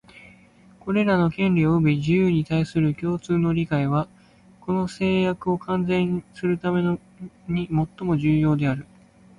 これらの権利及び自由に対する共通の理解は、この誓約を完全にするためにもっとも重要である